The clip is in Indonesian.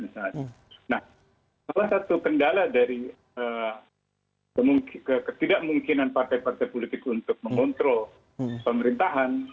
salah satu kendala dari ketidakmungkinan partai partai politik untuk mengontrol pemerintahan